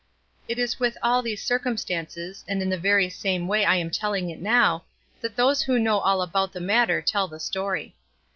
It is with all these circumstances, and in the very same way I am telling it now, that those who know all about the matter tell the story.